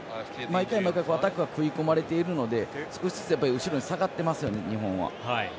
毎回、アタックが食い込まれているので少しずつ後ろに下がってますよね、日本は。